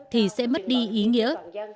thì sẽ mất đi ý nghĩa